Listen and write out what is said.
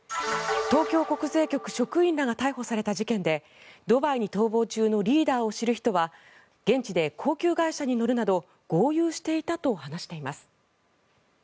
東京国税局職員らが逮捕された事件でドバイに逃亡中のリーダーを知る人は現地で高級外車に乗るなど豪遊していたと話しています。